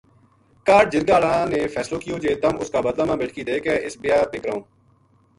کاہڈ جرگا ہالاں نے فیصلو کیو جے تَم اس کا بَدلا ما بیٹکی دے کے اس بیاہ بے کراؤں